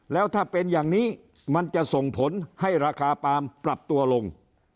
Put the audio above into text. แล้วถ้าเป็นอย่างนี้มันจะส่งผลให้ราคาปาล์มปรับตัวลง